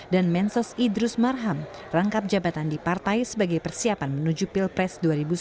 dan mensos idrus marham rangkap jabatan di partai sebagai persiapan menuju pilpres dua ribu sembilan belas